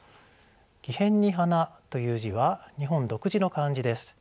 木偏に花という字は日本独自の漢字です。